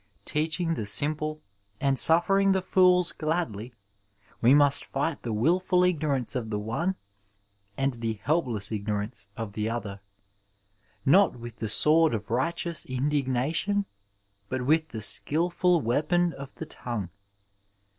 Teaching the simple and suffering the fools gladly, we must fight the wilful ignorance of the one and the help less ignorance of the other, not with the sword of righteous indignation, but with the skilful weapon of the tongue.